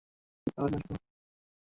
এই রাজ, আসো।